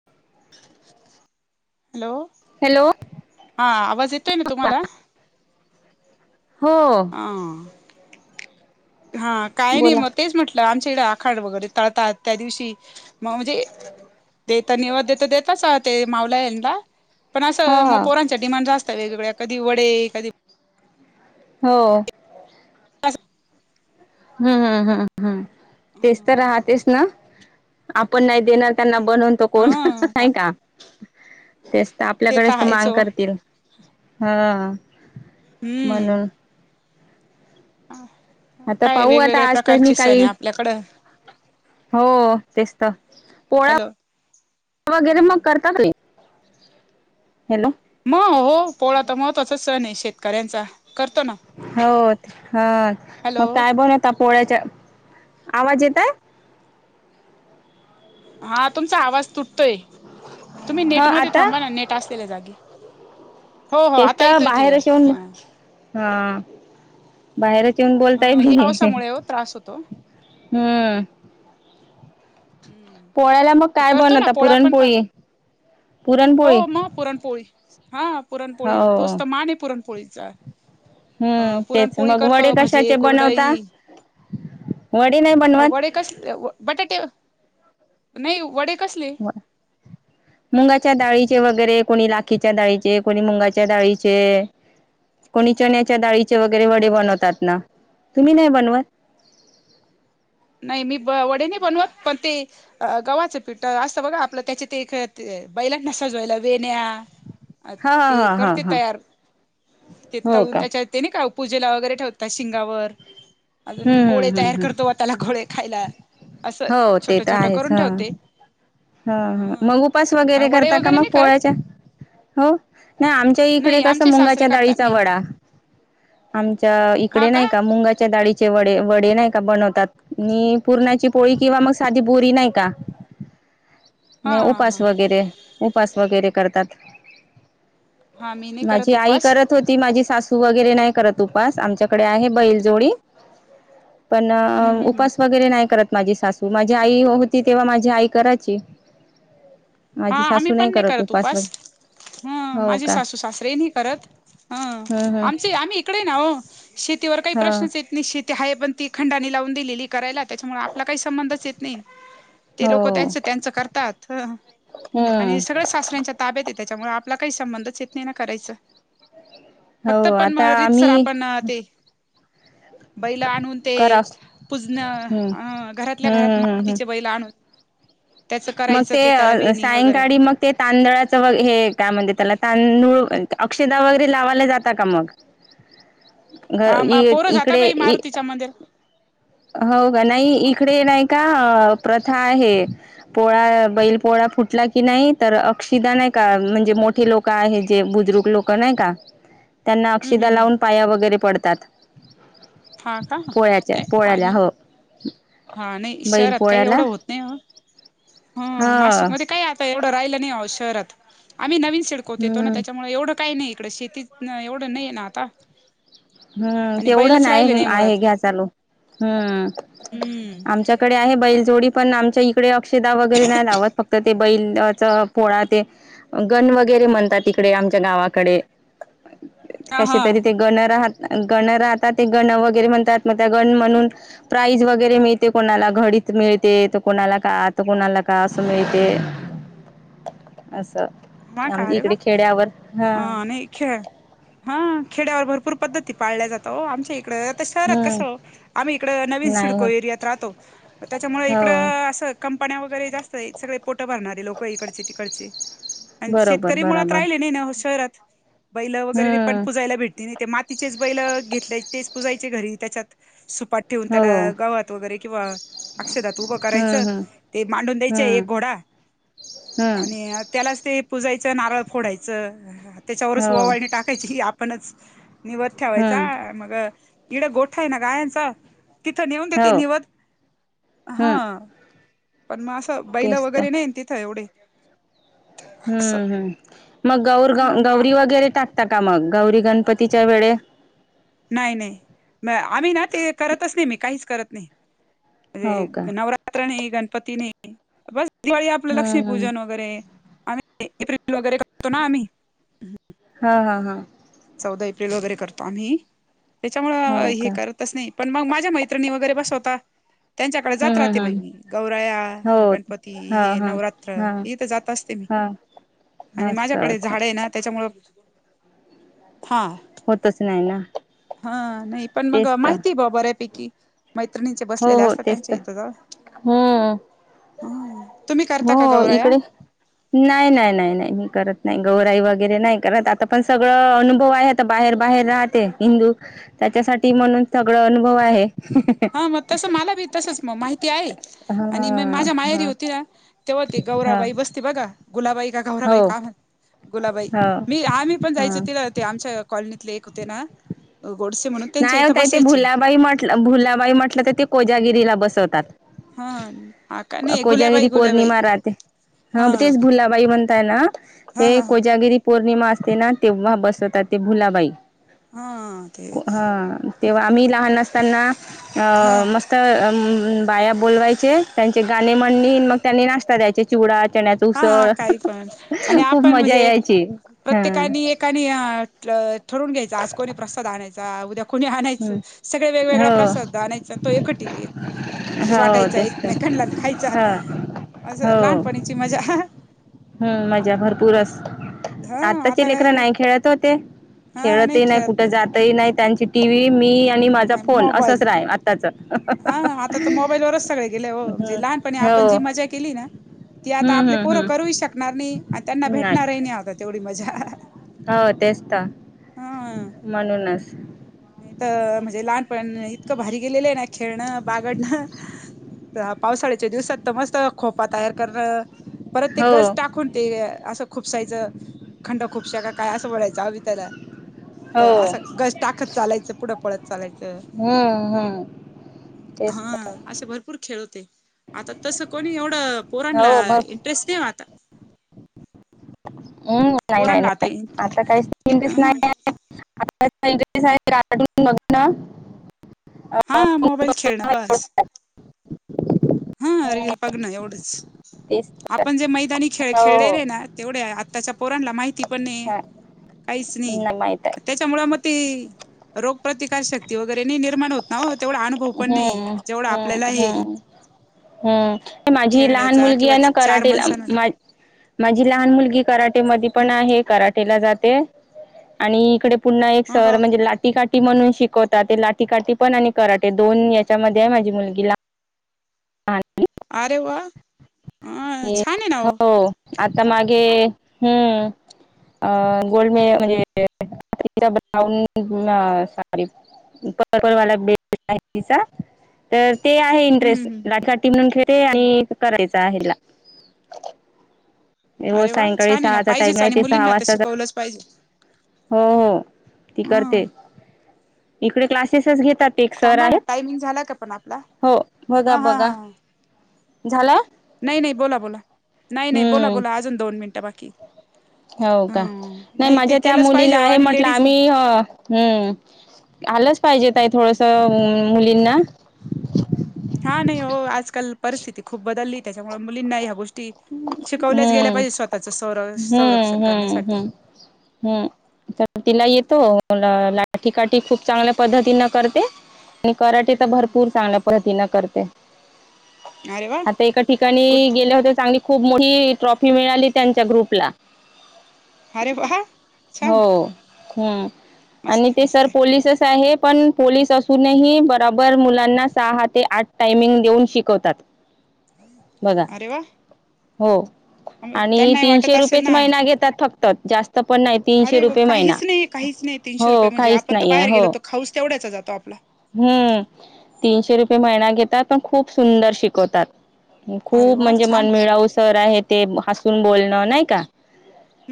हं हॅलो हा आवाज येतोय ना तुम्हाला? हो हा हा काय नाही बोला. मग तेच म्हटलं आमच्या इकडें आखाड वगैरे तळतात त्या दिवशी. म मग म्हणजे देत देत देताच ते माऊल्या नला. पण हो असं मग हो पोरांच्या डिमांड जास्त वेग वेगळ्या, कधी वडे कधी हो असं हम्म हम्म, हम्म हम्म तेच तर राहतेच ना? आपण नाही देणार त्यांना बनवून त कोण हा नाही का. तेच तर ते आपल्याकडेच तर आहेच मांग हो करतील हा. म्हणून ह आता काय पाहू आता वेगवेगळ्या आज तर मी प्रकारचे सण काही आहे आपल्याकडं. हो तेच तर पोळ्या. हॅलो वगैरे मग करता कि नई, हॅलो. मग हो पोळा तर महत्वाचा सण आहे शेतकऱ्यांचा, करतो ना. हो हा मग हॅलो काय बनवता पोळ्याच्या, आवाज येतय? हा तुमचा आवाज तुटतोय, तुम्ही नेट हा मध्ये आता थांबा ना, नेट असलेल्या जागी. हो हो तेच आता तर येतोय बाहेर क्लिअर असे येऊन हा हा. बाहेरच येऊन बोलताय हे मी, पावसामुळे हो त्रास होतो हम्म. हम्म पोळ्याला मग काय करतो ना बनवता? पोळ्या पण करतो पुरणपोळी. पुरणपोळी हो मग पुरणपोळी हा पुरणपोळी हो तोच तर मान पुरणपोळीचा. अ हम्म तेच पुरणपोळी मग वडे करतो भजे कशाचे बनवता कुरडई, वडे नाही वडे. बनवत कसले व, बटाटे नाही वडे कसले वडे? हं [inaudible] मुंगाच्या डाळीचे वगैरे, कोणी लाखीच्या डाळीचे, कोणी मुंगाच्या डाळीचे कोणी चण्याच्या डाळीचे वगैरे वडे बनवतात ना, तुम्ही नाही बनवत? नाही मी वडे नाही बनवत, पण ते अ गव्हाचं पिठ असतं बघा, आपलं त्याच्या ते बैलांना सजवायला वेण्या अ हा हा ते हा हा करते हा तयार,, ते हो तळून का त्याच्यात ते नाही का पूजेला वगैरे ठेवता शिंगावर, अजून हम्म गोळे हम्म हम्म तयार हम्म करतो त्याला गोळे खायला, असं हो ते छोटं तर छोटं आहेच करून हा ठेवते. हा हा, मंग उपास वगैरे वडे करता का मग नाही करत पोळ्याच्या? हो, नाही आमच्या इकडे नाही कसं आमचे सासरे मुंगाच्या करतात डाळीचा मी वडा आमच्या इकडे नाही का, मुंगाच्या डाळी चे वडे, व वडे नाही का बनवतात, मी पूर्णाची पोळी किंवा मग साधी बोरी नाही का, हा नाही हा हा उपास वगैरे उपास वगैरे करतात, हा मी नाही माझी करत आई उपास करत होती, माझी सासू वगैरे नाही करत उपवास, आमच्याकडे आहे बैलजोडी. पण हम् हम् हम् उपास वगैरे नाही करत माझी सासू, माझी आई होती तेव्हा माझी आई करायची. हां आम्ही पण नाही करत उपास. हं हो माझे का सासू सासरे हि नाही करत, हम्म, आमचे आम्ही ईकडेय ना ओ, शेतीवर काही हम्म प्रश्नच येत नाही, शेती ते हाय पण ती खंडाणी लावून दिलेलीय करायला त्याच्यामुळं आपला काही संबंधच येत नाही. ते हो लोकं हो त्यांचं त्यांचं करतात. आणि हम्म सगळं सासऱ्यांच्या ताब्यात ये त्याच्यामुळं आपला काही संबंधच येत नाही ना करायचं. हो फक्त पण आता म रितसर आम्ही आपण ते बैलं आणून ते करा हम्म पूजणं, घरातल्या हम्म घरात हम्म हम्म हम्म मातीचे बैल आणून त्याच मग करायचं ते त्याला अ वेणी वगैरे सायंकाळी मग ते तांदळाच हे काय म्हणते त्याला, तांदूळ अक्षता वगैरे लावायला जातात का मग? [inaudible] ग हा पोरं जाता इकडे बाई मारुतीच्या मंदिर हो का, नाही इकडे नाही का प्रथा आहे पोळा बैल पोळा फुटला की नाही, तर अक्षिदा नाही का म्हणजे मोठे लोक काय आहे जे, बुजुर्ग लोकं नाही का ह [inaudible] त्यांना अक्षिदा लावून पाया वगैरे पडतात. हा का पोळ्याच्या नाही पोळ्याला आणि हो. हा नाही बैल शहरात काय पोळ्याला एवढं होत ह हम्म नाशिकमध्ये काय आता एवढं राहिलं नाही ओ शहरात आम्ही नवीन शिड येतो ना हम्म त्याच्यामुळे एवढं काही नाही इकड शेतीत एवढं नाही ना आता. हम्म आणि तेवढं बैलच नाही, राहिले हम्म आहे मुळात घ्या चालू, हम्म. हम्म आमच्याकडे आहे बैल जोडी पण आमच्या इकडे अक्षदा वगैरे नाही लावत फक्त ते बैलाचा पोळा ते गण वगैरे म्हणतात तिकडे आमच्या गावाकडे. हा कसे हा तरी ते गण राहत गण राहतात ते गण वगैरे म्हणतात मग त्या गण म्हणून प्राईज वगैरे मिळते, कोणाला घडीच मिळते तर कोणाला का तर कोणाला का असं मिळते. [inaudible] असं अं इकडे खेड्यावर हा. नाही ख्य हा खेड्यावर भरपूर पद्धती पाळल्या जाता ओ आमच्या इकड आता शहरात हम्म कसं आम्ही इकडं नवीन नाही सिडको होत एरियात राहतो त्याच्यामुळे हो इकडं असं कंपन्या वगैरे जास्तयत, सगळे पोटं भरणारे लोक इकडचे तिकडचे आणि बरोबर शेतकरी मुळात बराबर राहिले नाही ना ओ शहरात, बैल वगैरे पण हम्म पुजायला भेट तिने ते मातीचेच बैल घेतले तेच पुजायचे घरी त्याच्यात सुपात ठेवून हो त्याला गाव्हात वगैरे किंवा अक्षधात उभं करायचं हम्म ते मांडून द्यायचे हम्म एक घोडा हम्म आणि त्यालाच ते पुजायचं, नारळ फोडायचं, हम्म त्याच्यावरच हो ववाळणी टाकायची आपणच निवद ठेवायचा हम्म मग इडं गोठा आहे ना गायांचा तिथं नेऊन देते हो निवद हम्म हां. पण मग असं बैलं तेच तर वगैरे नाही न तिथ एवढे. असं हम्म हम्म मग गौर म म गौरी वगैरे टाकता का मग गौरी गणपतीच्या वेळे? नाही नाही म आम्ही ना ते करतच नाही मी काहीच करत नाही हो का म्हणे नवरा त्र नाही, गणपती नाही, बस दिवाळी आपलं हम्म हम्म लक्ष्मीपूजन वगैरे आम्ही [unintelligible] हा हा हा. चौदा एप्रिल वगैरे करतो आम्ही, त्याच्यामुळं हो हे का करत तसं नाही, पण मग माझ्या मैत्रिणी वगैरे बसवतात, त्यांच्याकडे जात हम्म राहते हम्म बई हम्म मी गौराया हो गणपती हा हे हा नवरात्र, हा हा हे तर जात असते मी. हा आणि असं माझ्याकडे असं झाड आहे ना, त्याच्यामुळं हां. होतच नाही ना. हा, नाही पण मग तेच तर माहिती भा बऱ्यापैकी मैत्रिणींचे हो बसलेले हो असतं तेच त्यांच्या तर इथं जाऊन हम्म हम्म, तुम्ही करता हो का गौराया? इकडे नाही नाही नाही नाही मी करत नाही गौराई वगैरे नाही करत आता पण सगळं अनुभव आहे. बाहेर बाहेर राहते हिंदू त्याच्यासाठी म्हणून सगळ अनुभव आहे. हा म? तसं मला बी तसच माहिती आहे आणि म हा माझ्या मायारी हा होती ना, तेव्हा ते हा गौराबाई. बसते बघा गुलाबाई का हो गौराई का गुलाबाई गुलाबाई हो मी आम्हीपण हा जायचं ते ते आमच्या कॉलनीतले एक होते ना गोडसे म्हणून त्यांच्या नाही ओ इथं ताई ते बसायचे. भुलाबाई भुलाबाई म्हटलं तर ते कोजागिरीला बसवतात. हा. हा का नाही गुलाबाई कोजागिरी गुलाबाई पोर्णिमा राहते. ह हा तेच भुलाबाई म्हणताय ना, हा ते हा कोजागिरी. पौर्णिमा असते ना तेव्हा बसवत ते भुलाबाई. हा. ते ह आम्ही लहान असताना ह मस त बाया बोलवायचे त्यांचे गाणे म्हणणी मग त्यांनी नाश्ता द्यायचे चिवडा चण्या. त हा उसळ काही पण आणि खूप आपण मजा यायची हा. णी ठरून घ्यायच आज कोणी प्रसाद आणायचा उद्या कुणी आणायचं हम्म सगळे वेगवेगळा हो प्रसाद आणायं आणि तो एकटिक. त हो वाटायचा तेच तर एकमेकांला खायचा, हा असं हो लहानपणीची मजा हाहहा. हम्म मजा भरपूर अस हा आता आत्ताचे लेकरा नाही खेळत होते. हा खेळतही नाही खेळत कुठे जातही नाही त्यांची टी व्ही मी. आणि माझा फोन असच मोबाईल रा आताच. हा पण आपण जी मजा केली ना. ती आता हम्म आपले हम्म पोरं हम्म करू शकणार नाही आणि त्यांना भेटणारही नाही आता तेवढी मजा. हो तेच तर हा म्हणूनच. नाही तर म्हणजे लहानपण इतकं भारी गेलेलं आहे ना खेळणं बागडण. पावसाळ्याच्या दिवसात तर मस्त खोपा तयार करणे, परत ते ग हो बस टाकणं कोण ते असं खुपसायचं खंड खुपश्या का काय असं बयचं हवी त्याला. हो तर असं गश टाकत चालायचं पुढं पळत. चालायचं, हम्म हम्म तेच तर हा असे भरपूर खेळ होते. आता तसं कोणी एवढं पोरांना हो भरपूर इंटरेस्ट नाही आता. पोरांला आता ह [unintelligible] [unintelligible] हा अं, मोबाईल खेळण बघणं, बस व्यवस्था. हा रील बघणं एवढंच तेच तर आपण जे मैदानी खेळ हो खेळलं हो ते. तेवढ्या आत्ताच्या पोरांला माहिती पण नाही हा काहीच नाही. माहित आहे त्याच्यामुळे मग ती रोगप्रतिकार शक्ती नाही निर्माण होत. ना हो तेवढा अनुभव पण नाही हम्म जेवढा आपल्याला हे. हम माझी लहान खेळण्याचा मुलगी किंवा आहे ना चार कराटेला माणसांना माझी लहान मुलगी कराट म पण आहे कराठेला जाते आणि इकडे पुन्हा एक हो सर हो म्हणजे ला. लाटी काठी म्हणून शिकवतात ते लाटी काठी पण आणि. कराटे दोन याच्यामध्ये आहे माझी मुलगी लहान मुलगी. आरे वा अ छान आहे ना हो आता मागे हम्म. अ गोल्ड मे म्हणजे ब्राऊन साडी. परपल वाला बेल्ड आहे तिचा. तर ते आहे हम्म इंटरेस्ट हम्म हम्म लाटीकाटी पण खेळते आणि कराटे चा आहे तीला हो अरे वा सायंकाळी छान आहे ना सहाचा टाइम पाहिजेच आहे आणि ते सहा मुलींना तर वाजताचा शिकवलंच पाहिजे हो हो ती करते हं इकडे क्लासेसच घेतात ते एक सर थांबा ना आहेत टायमिंग झाला का पण आपला हो बघा हा हा बघा हा हा. झाल नाही नाही बोला नाही नाही बोला बोला अजून दोन मिनिटं बाकीहेत हो का नाही ते माझ्या त्या केलंच पाहिजे मुलीला हो आहे आणि म्हटलं लेडीजला आम्ही हू आलंच पाहिजे ताई हम्म थोडस मुलींना हा नाही हो आजकाल परिस्थिती खूप बदलली त्याच्यामुळे मुलींना ह्या गोष्टी शिकवल्याच गेल्या हम्म पाहिजे स्वतःच संरक्षण करण्यासाठी हू तर तिला येतो मग लाठी काठी खूप चांगल्या पद्धतीन करते आणि कराटे तर हम्म भरपूर चांगल्या पद्धतीन करते अरे वा आता एका गुड ठिकाणी गेल्या होत्या चांगली खूप मोठी ट्रॉफी मिळाली त्यांच्या ग्रुपला अरे वा हो छान हू मस्त आणि आहे, ते मस्त सर आहे, पोलीसच आहे पण पोलीस असूनही बराबर मुलांना सहा ते आठ टाइमिंग देऊन शिकवतात बघा अरे वा हो आणि त्यांना तीनशे वाटत असेल रुपयेच ना महिना घेतात फक्त जास्त पण नाही तीनशे अरे रुपये महिना काहीच नाही काहीच नाही तीनशे हो रुपये म्हणजे काहीच आपण तर नाही बाहेर गेलो तर खाऊ तेवढ्याचा जातो आपला हू तीनशे रुपये महिना घेतात पण खूप सुंदर शिकवतात अरे खूप वा म्हणजे छान राऊत सर आहे ते हसून बोलण नाही का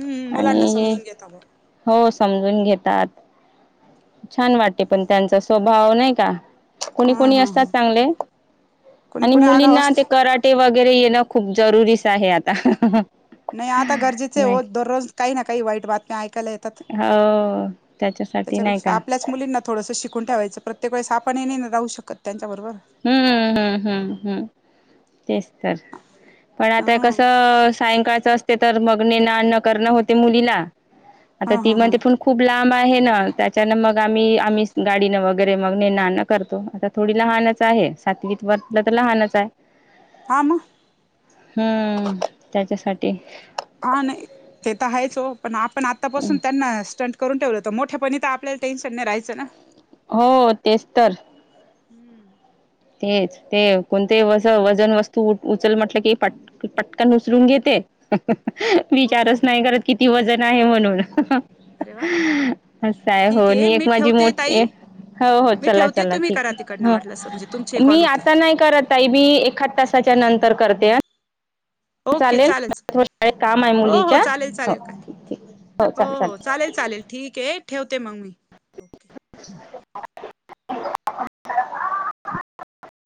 हम्म मुलांना आणि समजून घेता ब हो समजून घेतात छान वाटते पण त्यांचा स्वभाव नाही का कोणी हा कोणी हा असतात हा चांगले कोणी आणि कोणी आगाव मुलींना असत ते कराटे वगैरे येणं खूप जरुरीच आहे आता नाही आता गरजेचे आहे नाही ओ दररोज काही ना काही वाईट बातम्या ऐकायला येतात हो त्याच्यासाठी नाही त्याच्यापेक्षा का आपल्याच मुलींना थोडंसं शिकून ठेवायचं प्रत्येक वेळेस आपणही नाही ना जाऊ शकत त्यांच्या बरोबर हू हू हू हू हू तेच तर पण ह आता हे कसं सायंकाळच असत तर मग नेन आन करन होते मुलीला आता हा ती हा हा कधीपण खूप लांब आहे ना त्याच्यानं मग आम्ही आम्ही गाडीनं वगैरे मग नेन आन करतो आता थोडी लहानच आहे सातवीत वाटलं तर लहानच आहे हा मग ह त्याच्यासाठी हा नाही ते तर हायच ओ पण आपण हम्म आतापासून त्यांना स्टंट करून ठेवलं तर मोठ्यापणीच आपल्याला टेन्शन नाय राहायचं ना हो तेच तर [inaudible] तेच ते कोणतेही वजन वजन वस्तू उचल म्हटलं की पटकन उचलून घेते, पटपट हो का विचारच नाही करत किती वजन आहे म्हणून. अरे वा असंय, ठीक हो आहे नि मी एक माझी ठेवते ताई मोठीय. हो हो मी चला ठेवते चला तुम्ही ठीक करा तिकडनं हाय, वाटलं असं म्हणजे हो. तुमचे कॉल मी होतील आता नाही करत, ताई मी एखाद तासाच्या नंतर करते हं. ओके चालेल, थोडं शाळेत काम आहे हो हो मुलीच्या चालेल हो चालेल काय, ठीक ठीक हो चालेल हो चालेल. चालेल ठीकेय ठेवते मग मी. ओके [inaudible]